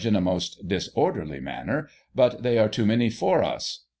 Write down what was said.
[1839 in a most disorderly manner, but they are too many for us."